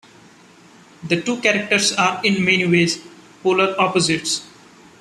The two characters are, in many ways, polar opposites.